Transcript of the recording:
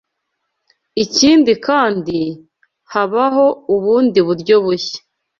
Ikindi kandi, habaho ubundi buryo bushya